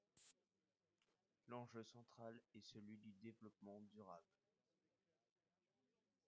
L'enjeu central est celui du développement durable.